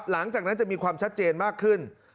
หลังจากนั้นจะมีความชัดเจนมากขึ้น